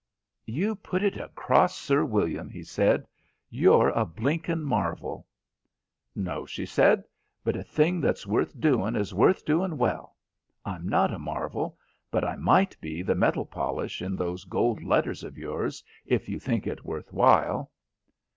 "You put it across Sir William," he said. "You're a blinkin' marvel." "No," she said, "but a thing that's worth doing is worth doing well. I'm not a marvel, but I might be the metal polish in those gold letters of yours if you think it worth while."